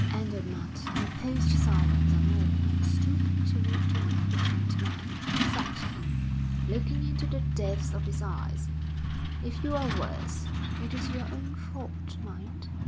Andermatt imposed silence on all, and stooping toward the impotent man, said to him, looking into the depths of his eyes: "If you are worse, it is your own fault, mind.